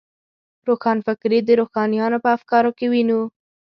روښانفکري د روښانیانو په افکارو کې وینو.